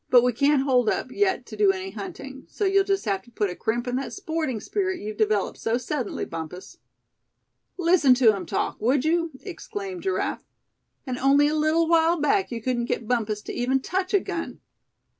But we can't hold up yet to do any hunting; so you'll just have to put a crimp in that sporting spirit you've developed so suddenly, Bumpus." "Listen to him talk, would you?" exclaimed Giraffe; "and only a little while back you couldn't get Bumpus to even touch a gun.